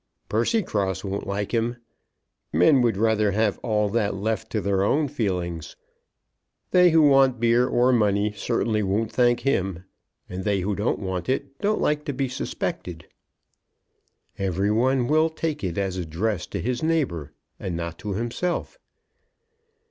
"Percycross won't like him. Men would rather have all that left to their own feelings. They who want beer or money certainly won't thank him; and they who don't want it don't like to be suspected." "Every one will take it as addressed to his neighbour and not to himself."